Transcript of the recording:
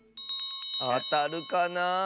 あたるかな。